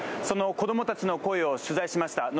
その子供たちの声を取材しました。